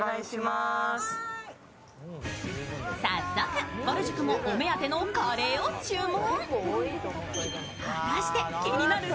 早速、ぼる塾もお目当てのカレーを注文。